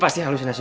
pasti ada situasi